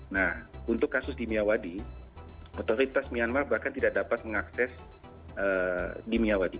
nah untuk kasus di miawadi otoritas myanmar bahkan tidak dapat mengakses di miyawadi